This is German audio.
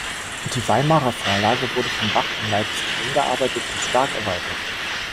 Die Weimarer Vorlage wurde von Bach in Leipzig umgearbeitet und stark erweitert.